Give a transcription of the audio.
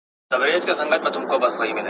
په کورونا ویروس اخته شوي کسان خفیفې نښې لري.